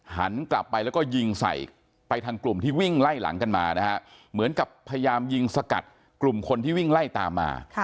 หันกลับไปแล้วก็ยิงใส่ไปทางกลุ่มที่วิ่งไล่หลังกันมานะฮะเหมือนกับพยายามยิงสกัดกลุ่มคนที่วิ่งไล่ตามมา